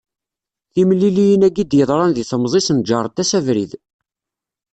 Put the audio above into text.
Timliliyin-agi i d-yeḍṛan di temẓi-s neğṛent-as abrid.